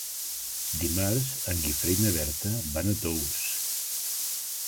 Dimarts en Guifré i na Berta van a Tous.